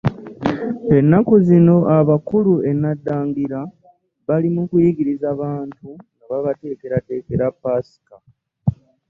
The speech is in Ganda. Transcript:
Ennaku zino abakulu e Naddangira bali mu kuyigiriza bantu, nga babateekerateekera Paska.